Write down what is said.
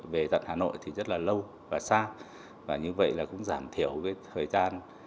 về tận hà nội thì rất là lâu và xa và như vậy cũng giảm thiểu thời gian